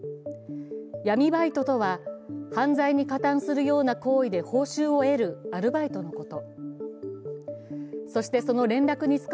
闇バイトとは犯罪に加担するような行為で報酬を得るアルバイトのこと。